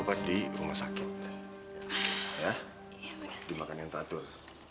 kamu harus ambil sampai takut